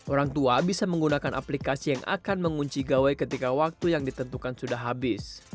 orang tua bisa menggunakan aplikasi yang akan mengunci gawai ketika waktu yang ditentukan sudah habis